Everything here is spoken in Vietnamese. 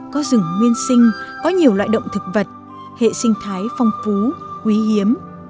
có rừng nguyên sinh có nhiều loại động thực vật hệ sinh thái phong phú quý hiếm